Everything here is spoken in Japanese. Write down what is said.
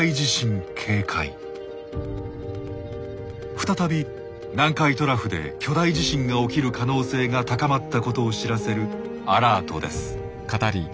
再び南海トラフで巨大地震が起きる可能性が高まったことを知らせるアラートです。